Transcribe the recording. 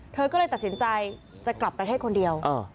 เธอก็เลยตัดสินใจจะกลับประเทศคนเดียว